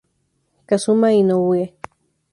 Kazuma Inoue